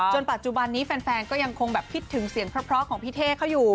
จุดปลาจุบันนี้แฟนแฟนก็ยังคงแบบพิดถึงเสียงเพราะเพราะของพี่เทเขาอยู่